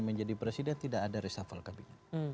menjadi presiden tidak ada resafal kabin